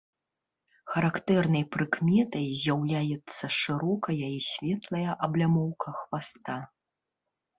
Характэрнай прыкметай з'яўляецца шырокая і светлая аблямоўка хваста.